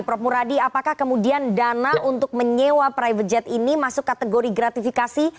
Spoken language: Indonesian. prof muradi apakah kemudian dana untuk menyewa private jet ini masuk kategori gratifikasi